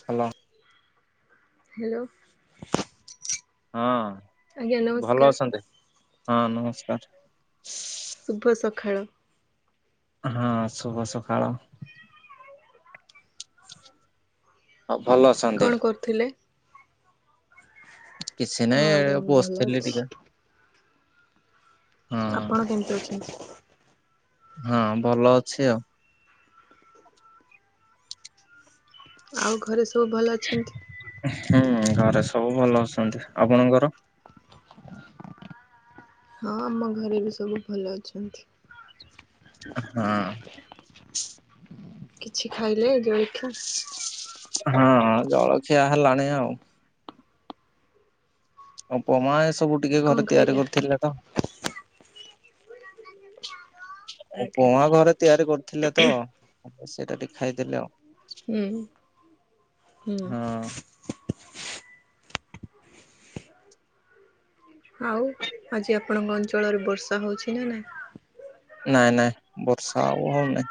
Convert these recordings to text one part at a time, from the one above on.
ହେଲା ହେଲୋ। ହଁ ଆଜ୍ଞା ଭଲ ନମସ୍କାର ଅଛନ୍ତି ହଁ ନମସ୍କାର। ଶୁଭ ସକାଳ। ହଁ ଶୁଭ ସକାଳ। ଆଉ ଭଲ ଅଛନ୍ତି। ଥିଲେ କିଛି ନାଇଁ ହଁ ଏ ଆଜ୍ଞା ମୁଁ ଭଲ ବସିଥିଲି ଟିକେ ଅଛି। ହଁ ଆପଣ କେମତି ଅଛନ୍ତି? ହଁ ଭଲ ଅଛି ଆଉ। ଆଉ ଘରେ ସବୁ ଭଲ ଅଛନ୍ତି। ହୁଁ ଘରେ ସବୁ ଭଲ ଅଛନ୍ତି ଆପଣଙ୍କର? ହଁ ଆମ ଘରେ ବି ସବୁ ଭଲ ଅଛନ୍ତି। ହଁ। କିଛି ଖାଇଲେ ଜଳଖିଆ। ହଁ ଜଳଖିଆ ହେଲାଣି ଆଉ। ଉପମା ଏ ସବୁ ଟିକେ କଣ ଘରେ ତିଆରି ଖାଇଲେ? କରିଥିଲେ ତ। ଆଜ୍ଞା। ଉପମା ଘରେ ତିଆରି କରିଥିଲେ ତ ସେଇଟା ଟିକେ ଖାଇଦେଲି ଆଉ। ହୁଁ ହୁଁ। ହଁ ଆଉ ଆଜି ଆପଣଙ୍କ ଅଞ୍ଚଳରେ ବର୍ଷା ହଉଛି ନା ନାହିଁ। ନାଇଁ ନାଇଁ ବର୍ଷା ଆଉ ହଉନାଇଁ।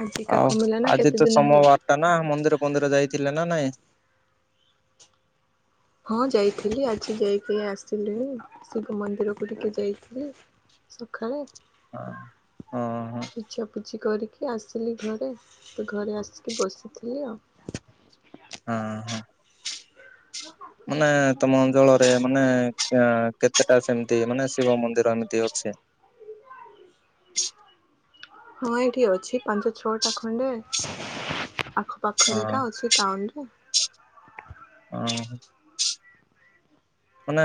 ଆଜିକା ଆଉ କମିଲା ନା ଆଜି କେତେ ତ ଦିନ ହେଲା? ସୋମବାର ଟା ନା ମନ୍ଦିର ପନ୍ଦିର ଯାଇଥିଲେ ନା ନାଇଁ? ହଁ ଯାଇଥିଲି ଆଜି ଯାଇକି ଆସିଲିଣି ଶିବ ମନ୍ଦିରକୁ ଟିକେ ଯାଇଥିଲି। ସଖାଳେ। ଆଁ ହଁ। ପୁଛାପୁଛି କରିକି ଆସିଲି ଘରେ ତ ଘରେ ଆସିକି ବସିଥିଲି ଆଉ। ହଁ ହଁ [inaudible] ମାନେ ତମ ଅଞ୍ଚଳରେ ମାନେ ସେଁ କେତେଟା ସେମିତି ମାନେ ଶିବ ମନ୍ଦିର ଏମତି ତି ଅଛି। ମୁଁ ଏଇଠି ଅଛି ପାଞ୍ଚ ଛଅଟା ଖଣ୍ଡେ ଆଖପାଖରେ ହଁ କା ଅଛି। ଟାଉନ୍ରେ। ଅଁ ହଁ ମାନେ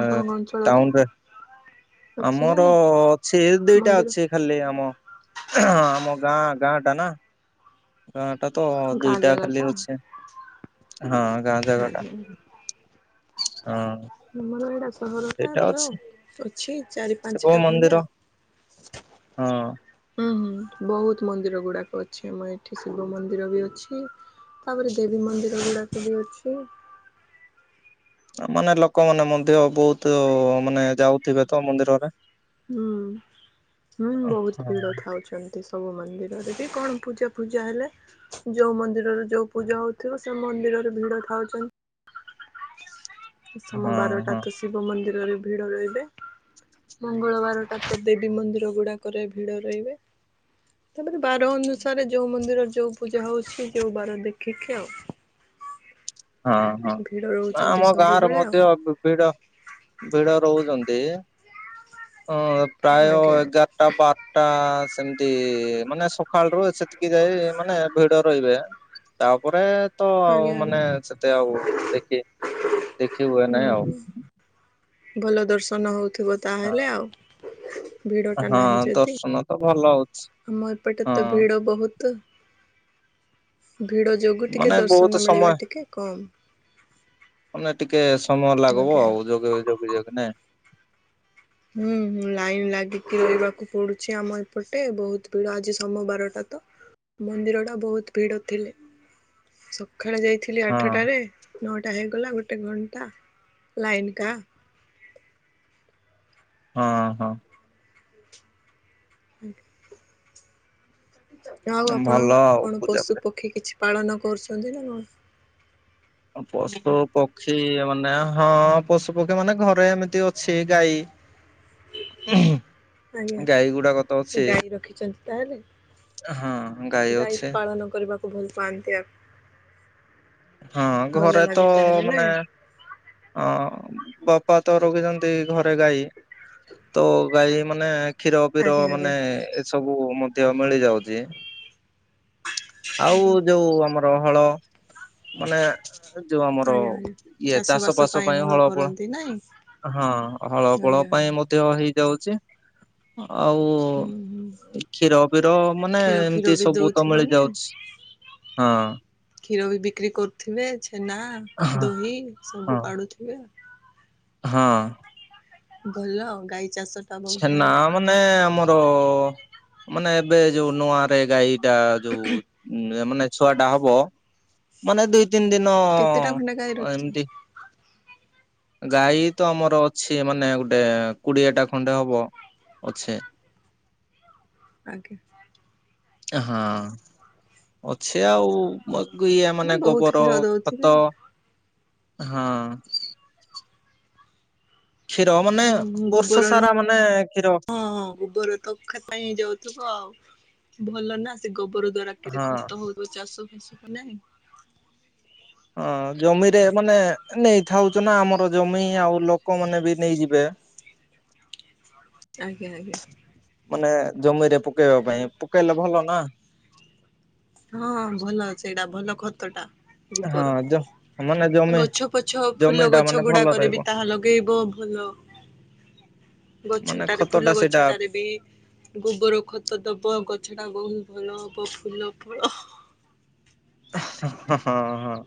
ଆପଣଙ୍କ ଅଞ୍ଚଳରେ ଟାଉନ୍ରେ। ଅଛି ନା ଆମର ନାଇଁ ଅଛି ଦିଟା ମନ୍ଦିର ଅଛି। ଖାଲି ଆମ ଆମ ଗାଁ ଗାଁ ଟା ନା ଗାଁ ଟା ତ ଗାଁ ଦୁଇଟା ଖାଲି ଜାଗାଟା? ଅଛି ହଁ ଗାଁ ଜାଗା ଟା ଆଜ୍ଞା। ହଁ ଆମର ଏଇଟା ସହରଟା ସେଇଟା ତ ଅଛି ଅ ଅଛି ଚାରି ଶିବ ପାଞ୍ଚଟା ଖଣ୍ଡେ ମନ୍ଦିର ଆଉ ହଁ ହୁଁ ହୁଁ ବହୁତ୍ ମନ୍ଦିର ଗୁଡ଼ାକ ଅଛି ଆମ ଏଠି ଶିବ ମନ୍ଦିର ବି ଅଛି। ତାପରେ ଦେବୀ ମନ୍ଦିର ଗୁଡ଼ାକ ବି ଅଛି। ମାନେ ଲୋକମାନେ ମନ୍ଦ୍ଯ ବହୁତ ମାନେ ଯାଉଥିବେ ତ ମନ୍ଦିରରେ। ହୁଁ ହୁଁ ବହୁତ ହଁ ଭିଡ଼ ଖାଉଛନ୍ତି। ସବୁ ମନ୍ଦିରରେ ବି କଣ ପୂଜା ଫୂଜା ହେଲେ। ଯୋଉ ମନ୍ଦିରରେ ଯୋଉ ପୂଜା ହଉଥିବ ସେ ମନ୍ଦିରରେ ଭିଡ ଥାଉଛନ୍ତି। ସମୋ ହଁ ବାରଟା ହଁ ତ ଶିବ ମନ୍ଦିରରେ ଭିଡ଼ ରହିବେ। ମଙ୍ଗଳବାରଟା ତ ଦେବୀ ମନ୍ଦିର ଗୁଡ଼ାକରେ ଭିଡ଼ ରହିବେ। ସେମିତି ବାର ଅନୁସାରେ ଯୋଉ ମନ୍ଦିରର ଯୋଉ ପୂଜା ହଉଛି ଯୋଉ ବାର ଦେଖିକି ଆଉ। ହଁ ହଁ ଭିଡ ରହୁଛନ୍ତି ଆମ ଗାଁ ର ସବୁବେଳେ ଆଉ ମଧ୍ୟ ବି-ଭିଡ଼ ଭିଡ଼ ରହୁଛନ୍ତି ଅଁ ପ୍ରାୟ ଆଜ୍ଞା ଏଗାର ଆଟା ବାରଟା ସେମିତି ମାନେ ସକାଳ ର ସେତିକି ଯାଇ ମାନେ ଭିଡ଼ ରହିବେ। ତାପରେ ତ ଆଉ ଆଜ୍ଞା ଆଜ୍ଞା ମାନେ ସେତେ ଆଉ ଦେଖି ଦେଖି ହୁଏ ହୁଁ ନାହିଁ ଆଉ ଭଲ ଦର୍ଶନ ହଉଥିବ ତାହେଲେ ଆଉ। ଭିଡ ଟା ହଁ ଦର୍ଶନ ତ ଭଲ ହଉଛି। ମ ଏ ପଟେ ହଁ। ତ ଭିଡ଼ ବହୁ ତୁ। ଭିଡ଼ ଯୋଗୁଁ ଟିକେ ମାନେ ବହୁତ ଦର୍ଶନ ସମୟ ମିଳିବା ଟିକେ କମ୍। ମାନେ ଟିକେ ସମୟ ଲାଗ୍ ବ ଆଜ୍ଞା। ଆଉ ଜଗେ ଜଗି ଜଗି ନେ ହୁଁଁ ଲାଇନ୍ ଲାଗିକି ରହିବାକୁ ପଡୁଛି ଆମ ଏପଟେ ବହୁତ ଭିଡ ଆଜି ସମୋ ବାରଟା ତ ମନ୍ଦିର ଟା ବହୁତ୍ ଭିଡ ଥିଲେ ସକାଳେ ଯାଇ ଥିଲି ହଁ ଆଠଟାରେ ନଅଟା ହେଇଗଲା ଗୋଟେ ଘଣ୍ଟା ଲାଇନ୍ କା ଅଁ ହଁ ହୁଁ ଆଉ ଭଲ ଆପଣ ଆଉ କଣ ପୂଜା ପଶୁ ପୂଜା। ପକ୍ଷୀ କିଛି। ପାଳନ କରୁଛନ୍ତି ନା କଣ। ପଶୁ ପକ୍ଷୀ ମାନେ ହଁ ପଶୁ ପକ୍ଷୀ ମାନେ ଘରେ ଏମିତି ଅଛି ଗାଈ ଉହୁଁ ଆଜ୍ଞା ଗାଈ ରଖିଛନ୍ତି ତାହେଲେ। ହଁ ଗାଈ ଅଛି ପାଳନ କରିବାକୁ ଭଲ ପାଆନ୍ତି ଆ ହଁ ଘରେ ତ ନାଇଁ ମାନେ ହଁ ବାପା ତ ରଖିଛନ୍ତି ଘରେ ଗାଈ। ତୋ ଗାଈ ମାନେ କ୍ଷୀର ପୀର ଆଜ୍ଞା ଆଜ୍ଞା ମାନେ ଏସବୁ ମଧ୍ୟ ମିଳିଯାଉଛି। ଆଉ ଆଜ୍ଞା। ଯୋଉ ଆମର ହଳ ମାନେ ଏ ଯୋଉ ଆମର ଆଜ୍ଞା ଆଜ୍ଞା ଇଏ ଚାଷ ବାସ ପାସ ପାଇଁ ହଳ ହଳପ। କରନ୍ତି ନାଇଁ ହଁ ହଳ ପଳ ଆଜ୍ଞା ପାଇଁ ଆଜ୍ଞା। ମୋତେ ଅ ହେଇଯାଉଛି ଆଉ। ଓ ହୁଁ ହୁଁ କ୍ଷୀର ପିର ମାନେ କ୍ଷୀର ଫିର ଏମିତି ବି ସବୁ ତ ଦଉଥିବ ନାଇଁ। ମିଳିଯାଉଛି। ହଁ। କ୍ଷୀର ବି ବିକ୍ରି କରୁଥିବେ ଛେନା ହଁ ଦହି ହଁ ସବୁ କାଢୁଥିବେ ଆ ହଁ। ଭଲ ଗାଈ ଚାଷ। ଟା ବହୁତ ଛେନା ଭଲ ମାନେ ଆମର ମାନେ ଏବେ ଯୋଉ ନୂଆ ରେ ଗାଈ। ଏଟା ଯୋଉ ଉଁ ଏ ମାନେ ଛୁଆ ଟା ହବ ମାନେ ଦି ତିନି ଦିନ କେତେଟା ଖଣ୍ଡେ ଗାଈ ଅ ରଖିଛନ୍ତି? ଏମିତି। ଗାଈ ତ ଆମର ଅଛି ମାନେ ଗୋଟେ କୋଡିଏଟା। ଖଣ୍ଡେ ହବ ଅଛେ। ଆଜ୍ଞା। ହଁ। ଅଛି ଆଉ ମ ଇଏ ହୁଁ ମାନେ ବହୁତ ଗୋବର କ୍ଷୀର ଦଉଥିବେ। ଖତ। ହଁ। କ୍ଷୀର ମାନେ ହୁଁ ବର୍ଷ ଗୋବରର ସାରା ମାନେ କ୍ଷୀର। ହଁ ଗୋବର। ତ ଖ ପାଇଁ ହେଇ ଯାଉଥିବ ଆଉ ଭଲ ନା ସେ ଗୋବର ଦ୍ଵାରା କେତେ ହଁ ଖତ ହଉ ଉ ଚାଷ ଫାସ କୁ ନାହିଁ। ହଁ ଜମିରେ ମାନେ ନେଇ ଥାଉଛ ନା ଆମର ଜମି ଆଉ ଲୋକମାନେ ବି ନେଇଯିବେ। ଆଜ୍ଞା ଆଜ୍ଞା। ମାନେ ଜମିରେ ପକେଇବା ପାଇଁ ପକେଇଲେ ଭଲ ନା। ହଁ ଭଲ ଅଛି ଏଇଟା ଭଲ ଖତ ଟା। ହଁ ଗୋବର ଜ ମାନେ ଜମି ଗଛ ପଛ ଫୁଲ ଜମି ଟା ଗଛ ମାନେ ଭଲ ଗୁଡାକରେ ରହିବ ବି ତାହା ଲଗେଇବ ଭଲ ମାନେ ଗଛଟାରେ ଖତ ଫୁଲ ଟା ସେଇଟା ଗଛଟାରେ ବି। ଗୋବର ଖତ ଦବ ଗଛ ଟା ବହୁତ ଭଲ ହବ ଫୁଲ ଫଳ। ହଁ ହଁ ହଁ ହଁ।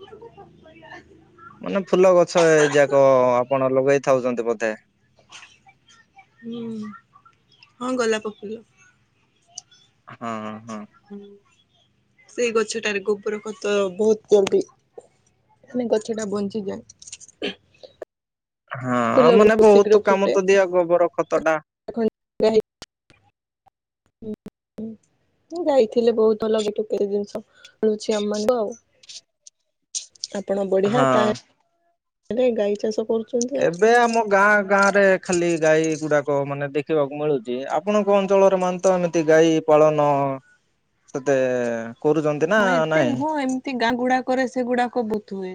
ମାନେ ଫୁଲ ଗଛ ଏ ଯାକ ଆପଣ ଲଗେଇ ଥାଉଛନ୍ତି ବୋଧେ। ହୁଁ ହଁ ଗୋଲାପ ଫୁଲ। ହଁଁ ହଁ। ସେଇ ଗଛଟାରେ ଗୋବର ଖତ ବହୁତ କୁହନ୍ତି। [unintelligible] ଗଛ ଟା ବଞ୍ଚିଯାଏ। ହଁ ଫୁଲ ବି ମାନେ ଶୀଘ୍ର ବହୁତ କାମ ଫୁଟେ ତ ଦିଏ ଗୋବର ଖତ ଟା। ଉଁ ଉଁ। ମୁଁ ଯାଇଥିଲି ବହୁତ ଲଗେ କେତେ ଟା ଜିନିଷ ମିଳୁଛି ଆମମାନଙ୍କୁ ଆଉ। ଆପଣ ବଢିଆ ହଁ। ତାହେଲେ ଗାଈ ଚାଷ କର ଏବେ ଆମ। ଗାଁ ଗାଁ ରେ ଖାଲି ଗାଈ ଗୁଡାକ ମାନେ ଦେଖିବାକୁ ମିଳୁଛି ଆପଣଙ୍କ ଅଞ୍ଚଳରେ ମାନେ ତ ଏମିତି ଗାଈ। ପାଳନ ସେତେ କରୁଚ ହଁ ଏତେ ନୁହଁ ଏମିତି ଗାଁ ଗୁଡାକରେ ସେଗୁଡାକ ବହୁତ ହୁଏ।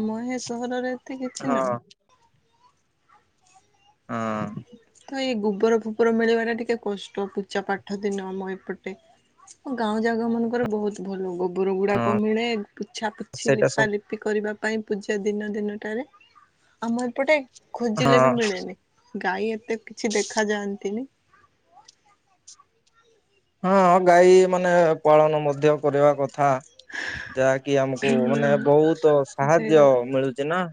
ଆମ ଏ ସହରରେ ଏତେ କିଛି ହଁ ନାହିଁ। ହଁ। ତ ଏଇ ଗୋବର ଫୋବର ମିଳିବାଟା ଟିକେ କଷ୍ଟ ପୂଜା ପାଠ ଦିନ ଆମ ଏପଟେ। ଗାଁ ଜାକ ମାନଙ୍କରେ ବହୁତ ଭଲଗୋବର ଗୁଡାକ ହଁ ମିଳେ ପୁଛାପୁଛି, ସେଇଟା ସବୁ ଲିପାଲି ପି କରିବା ପାଇଁ ପୂଜା ଦିନ ଦିନଟାରେ ଆମ ଏପଟେ ଖୋଜିଲେ ହଁ ବି ମିଳେନି। ଗାଈ ଏତେ କିଛି ଦେଖା ଯାଆନ୍ତିନି। ହଁ ଗାଈ ମାନେ ପାଳନ ମଧ୍ୟ କରିବା କଥା। ଯାହାକି ଆମକୁ ମାନେ ହୁଁ ବହୁତ ସେଇଟା ସାହାଯ୍ୟ ତ। ମିଳୁଚି ନା।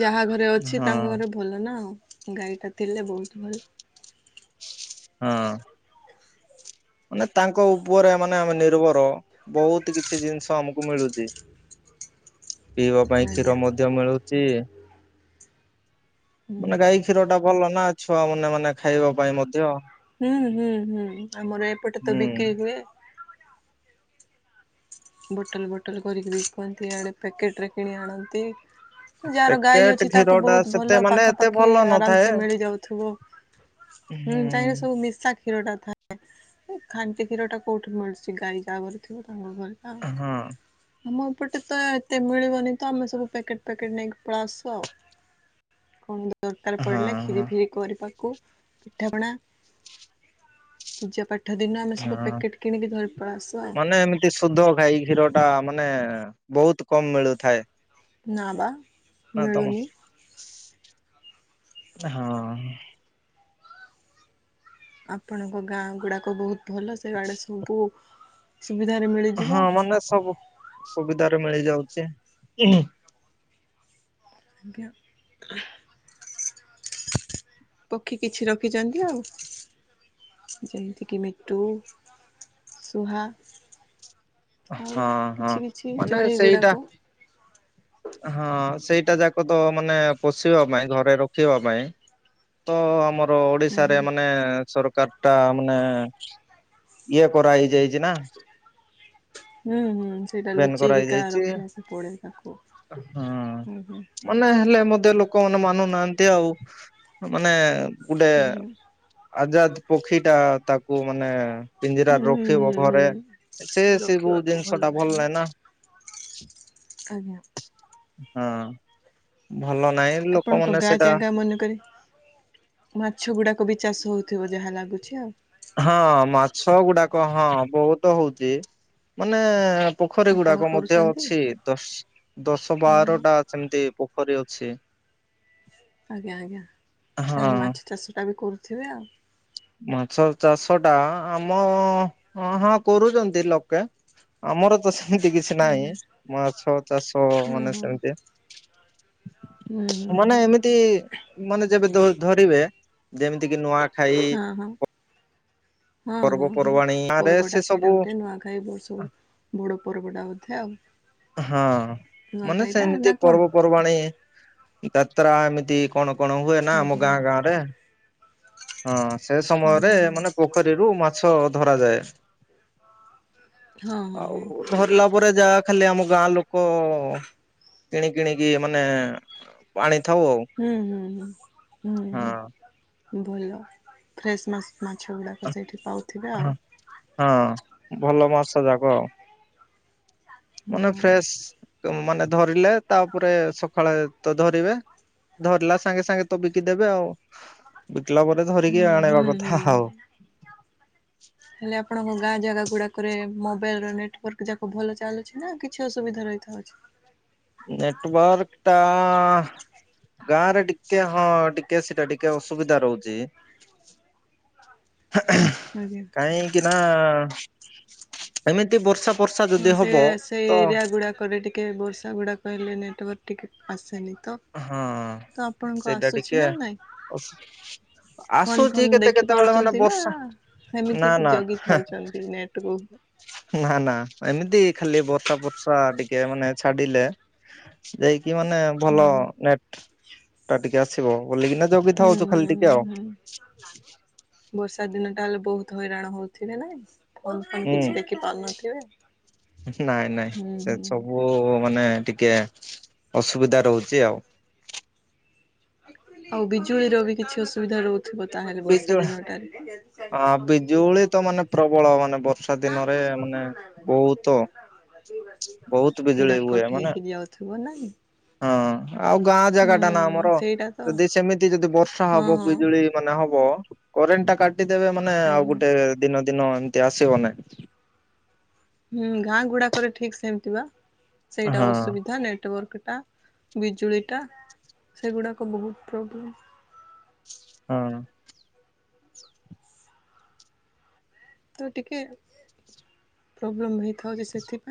ଯାହା ଘରେ ଅଛି ହଁ। ତାଙ୍କ ଘରେ ଭଲ ନା ଆଉ ଗାଈଟା ଥିଲେ ବହୁତ ଭଲ। ହଁ। ମାନେ ତାଙ୍କ ଉପରେ ମାନେ ଆମେ ନିର୍ଭର ବହୁତ କିଛି ଜିନିଷ ଆମକୁ ମିଳୁଛି। ପିଇବା ପାଇଁ ଆଜ୍ଞା କ୍ଷୀର ମଧ୍ୟ ମିଳୁଛି। ହୁଁ। ମାନେ ଗାଈ କ୍ଷୀର ଟା ଭଲ ନା ଛୁଆ ମାନେ ମାନେ ଖାଇବା ପାଇଁ ମଧ୍ୟ। ହୁଁ ହୁଁ ହୁଁ ଆମର ଏପଟେ ତ ହୁଁ। ବିକ୍ରି ହୁଏ। ବୋଟଲ ବୋଟଲ କରିକିରି ବିକନ୍ତି ଆଡ଼େ ପ୍ୟାକେଟରେ କିଣି ଆଣନ୍ତି। ଯାହାର ଗାଈ ପ୍ୟାକେଟ ଅଛି କ୍ଷୀର ତାକୁ ଟା ବହୁତ ସେତେ ଭଲ ମାନେ ଏତେ ପାଖାପାଖି ଭଲ ନଥାଏ ଆରାମସେ ମିଳି ଯାଉଥିବ। ହୁଁ କାହିଁକି ନା ସବୁ ବିଶାକ କ୍ଷୀରଟା ଥାଏ ଖାଣ୍ଟି କ୍ଷୀରଟା କୋଉଠି ମିଳୁଛି ଗାଈ ଜା ଘରେ ଥିବ ତାଙ୍କର ଘରେ। ହଁ ହଁ ଆଉ। ଆମ ଏପଟେ ତ ଏତେ ମିଳିବନି ତ ଆମେ ସବୁ ପ୍ୟାକେଟ୍ ପ୍ୟାକେଟ ନେଇକି ପଳେଆସୁ ଆଉ। କଣ ଦରକାର ପଡିଲା କ୍ଷିରି ହଁ ଫିରି କରିବାକୁ ପିଠାପଣା। ପୂଜା ପାଠ ଦିନ ଆମେ ସବୁ ପ୍ୟାକେଟ୍ କିଣିକି ଧରି ପଳେ ଆସୁ ଆଉ। ଏ ଶୁଦ୍ଧ ଗାଈ କ୍ଷୀରଟା ମାନେ ବହୁତ କମ ମିଳୁଥାଏ। ନା ବା। ନା ତମ ମିଳୁନି। ନା ହଁ। ଆପଣଙ୍କ ଗାଁ ଗୁଡାକ ବହୁତ ଭଲ ସେଇଆଡେ ସବୁ ସୁବିଧାରେ ମିଳ ହଁ ମାନେ ସବୁ ସୁବିଧାରେ ମିଳି ଯାଉଛି। ଆଜ୍ଞା। ପକ୍ଷୀ କିଛି ରଖିଛନ୍ତି ଆଉ। ଯେମିତିକି ମିଟୁ, ସୁୁହା। ଆଉ ହଁ ହଁ କିଛି କିଛି ମାନେ ଚଢେଇ ସେଇଟା ଗୁଡାକ। ହଁ ସେଇଟା ଯାକ ତ ମାନେ ପୋଷିବା ପାଇଁ ଘରେ ରଖିବା ପାଇଁ। ତ ଆମର ଓଡିଶାରେ ଆଜ୍ଞା ମାନେ ସରକାର। ଟା ମାନେ ଇଏ କରା ହେଇ ଯାଇଛି ନା। ହୁଁ ହୁଁ ସେଇଟା ବ୍ୟାନ୍ ଲୁଚେଇକିି ଏକା କରାହେଇଯାଇଛି ରଖିବାକୁ ପଡେ ତାକୁ ହଁ ହୁଁ ହୁଁ। ମାନେ ହେଲେ ମଧ୍ୟ ଲୋକମାନେ ମାନୁନାହାନ୍ତି ଆଉ ମାନେ ଗୁଟେ। ଆଜ୍ଞା। ଆଜାଦ ପକ୍ଷୀ ଟା ତାକୁ ମାନେ। ପିଞ୍ଜିରା ହୁଁ ହୁଁ ରଖିବ ହୁଁ ଘରେ ସେ ସେ କଉ ରଖିବାକୁ ଭଲ ଜିନିଷ। ନାହିଁ ନା ଉଲେନ ଆଜ୍ଞା। ହଁ। ଭଲ ନାହିଁ ଆପଣଙ୍କ ଲୋକମାନେ ଗାଁ ସେଇଟା ଜାଗା ମାନକରେ। ମାଛ ଗୁଡାକ ବି ଚାଷ ହଉଥିବ ଯାହା ଲାଗୁଛି ଆଉ। ହଁ ମାଛ ଗୁଡାକ ହଁ ବହୁତ ହଉଛି ମାନେ। ପୋଖରୀ ଆପଣ ଗୁଡାକ ମଧ୍ୟ କରୁଛନ୍ତି ଅଛି ଦଶ ଦଶ, ହୁଁ ବାରଟା ସେମିତି ପୋଖରୀ ଅଛି। ଆଜ୍ଞା ଆଜ୍ଞା ହଁ। ତାହେଲେ ମାଛ ଚାଷଟା ବି କରୁଥିବେ ଆଉ। ମାଛ ଚାଷ ଟା ଆ-ଆମ ହଁ ହଁ କରୁଛନ୍ତି ଲୋକେ। ଆମର ତ ସେମିତି କିଛି ନାଇଁ ନାହିଁ ମାଛ ଚାଷ ହଁ ମାନେ ହଁ। ସେମିତି। ହୁଁ ହୁଁ ହୁଁ ମାନେ ଏମି ତି ମାନେ ଯେବେ ଧ-ଧରିବେ ଯେମିତିକି ନୂଆଖାଇ। ହଁ ହଁ। ହଁ ହଁ ହଁ ପର୍ବପର୍ବାଣୀ ଆରେ ସେ ପର୍ବଟା ସବୁ ସେଇଟା ଗୋଟେ ନୂଆଖାଇ ବର୍ଷକୁ। ବଡ଼ ପର୍ବଟା ବୋଧେ ଆଉ। ହଁ ମାନେ ନୂଆଖାଇଟା ସେମିତି ନା କଣ ପର୍ବପର୍ବାଣି, ଯାତ୍ରା ଏମିତି। କଣ କଣ ହୁଏ ନା ଆମ ଆଜ୍ଞା ଗାଁ ଗାଁରେ ହଁ ସେ ସମୟରେ ଆଜ୍ଞା ଆଜ୍ଞା ଆଜ୍ଞା ମାନେ ପୋ ପୋଖରୀରୁ ମାଛ ଧରାଯାଏ ହଁ ହଁ ଆଉ। ହଁ। ଧରିଲା ପରେ ଯା ଖାଲି ଆମ ଗାଁ ଲୋକ କିଣି କିିଣିକି ମାନେ ଆଣିଥାଉ ଆଉ। ହୁଁ ହୁଁ ହୁଁ ହୁଁ ହୁଁ ଭଲ ଫ୍ରେଶ ମାସ। ମାଛ ଗୁଡ଼ାକ ସେଇଠି ପାଉଥିବେ ଆଉ। ହଁ ହଁ ଉଁ ଭଲ ମାସ ଯାକ ଆଉ। ହଁ। ମାନେ ଫ୍ରେଶ ମାନେ ଧରିଲେ। ତାପରେ, ସକାଳେ ତ ଧରିବେ। ଧରିଲା ସାଙ୍ଗେସାଙ୍ଗେ ତ ବିକିଦେବେ ଆଉ ବିକିଲା ପରେ ହୁଁ ଧରିକି ଆଣେଇବା ହୁଁ ହୁଁ। କଥା ଆଉ। ହୁଁ। ହେଲେ ଆପଣଙ୍କ ଗାଁ ଜାଗା ଗୁଡାକରେ ମୋବାଇଲ ର ନେଟୱାର୍କ ଯାକ ଭଲ ଚାଲୁଚି। ନା କିଛି ଅସୁବିଧା ରହିଥାଉଛି? ନେଟୱାର୍କ ଟା ଗାଁ ରେ ଟିକେ ହଁ ଟିକ୍ ଟିଏ ସେଇଟା ଟିକେ ଅସୁବିଧା ରହୁଚି। ଆଜ୍ଞା କାଇଁକିନା ଏମିତି ବର୍ଷା ଫର୍ଷା ହଁ ଯଦି ସେ ହବ ସେ ତ ଏରିଆ ଗୁଡ଼ାକରେ ଟିକେ ବର୍ଷା ଗୁଡ଼ାକ ହେଲେ ନେଟୱାର୍କ ଟିକେ ଆସେନି ତ। ହଁ ତ ଆପଣଙ୍କୁ ସେଇଟା ଟିକେ ଅସୁ ଫନ ଫନ ଦେଖି ପାରୁଛନ୍ତି ନା? ନା ସେମିତି କି ନା ଯୋଗିଥାଉଚନ୍ତି ନେଟ ବୁକ। ନା ନା ଏମିତି ଖାଲି ବର୍ଷା ପର୍ଷା ଟିକେ ମାନେ ଛାଡିଲେ ଯାଇକି ମାନେ ଭଲ ହୁଁ ନେଟ ଟା ଟିକେ ଆସିବ ବୋଲିକିନା ହୁଁ ଜଗିଥାଉ ତୁ ଖାଲି ହୁଁ ଟିକେ ଆଉ। ହୁଁ। ବର୍ଷା ଦିନ ଟା ହେଲେ ବହୁତ୍ ହଇରାଣ ହଉଥିଲେ ନାଇଁ। ଫୋନ ଫାନ କିଛି ହୁଁ ଦେଖି ପାରୁନଥିବେ ହୁଁ ହୁଁ। ଓ ହୋ ମାନେ ଟିକେ ଅସୁବିଧା ରହୁଚି ଆଉ। ଆଉ ବିଜୁଳି ରବି କିଛି ଅସୁବିଧା ରହୁ ଥିବ ତାହଲେ ବର୍ଷା ବିଜୁଳି ଦିନଟାରେ। ଆ ବିଜୁଳି ତ ମାନେ ପ୍ରବଳ ମାନେ ବର୍ଷା ଦିନରେ ମାନେ ବହୁତ ବହୁତ ବିଜୁଳି ପୁରା ହୁଏ କଟ ମାନେ ହେଇକି ଯାଉ ଥିବ ନାହିଁ। ହଁ ଆଉ ଗାଁ ଜାଗା ଟା ନା ଆମର ସେଇଟା ତ। ଯଦି ସେମିତି ଯଦି ବର୍ଷା ହଁ ହବ ହଁ ବିଜୁଳି ମାନେ ହବ କରେଣ୍ଟ ଟା କାଟିଦେବେ ମାନେ ଆଉ ଆଜ୍ଞା ଗୋଟେ ଦିନ ଦିନ ଏମତି ଆସିବ ନାଇ। ହୁଁ ଗାଁ ଗୁଡାକରେ ଠିକ ସେମିତି ବା ସେଇଟା ହଁ ଅସୁବିଧା ନେଟୱାର୍କ ଟା। ବିଜୁଳିଟା ସେଗୁଡ଼ାକ ବହୁତ ପ୍ରୋବ୍ଲେମ୍। ହଁ। ତ ଟିକେ ପ୍ରୋବ୍ଲେମ ହେଇଥାଉଚି ସେଥିପାଇଁ।